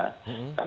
kita belum dapat ini